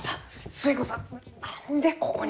寿恵子さん何でここに？